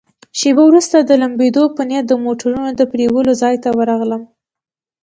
شیبه وروسته د لمبېدو په نیت د موټرونو د پرېولو ځای ته ورغلم.